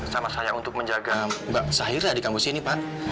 sama saya untuk menjaga mbak sahira di kampus ini pak